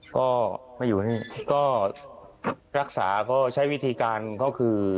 ก็มาอยู่ที่นี่ก็รักษาก็ใช้วิธีการเขาคือ